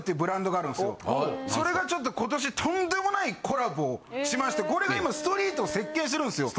それがちょっと今年とんでもないコラボしましてこれが今ストリートを席巻してるんですよ。